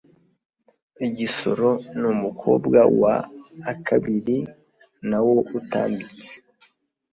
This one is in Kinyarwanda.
Igisoro :Ni umukoba wa akabiri nawo utambitse